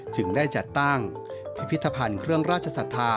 จึงได้จัดตั้งพิพิธภัณฑ์เครื่องราชศรัทธา